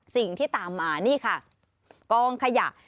สิ่งที่ตามมานี่ค่ะกองขยะ